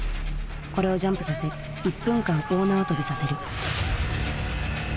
これをジャンプさせ１分間大縄跳びさせる。